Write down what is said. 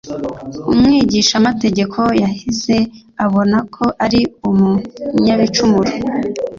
Umwigishamategeko yahise abona ko ari umunyabicumuro.